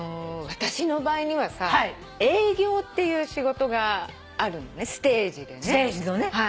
私の場合にはさ営業っていう仕事があるのねステージでね。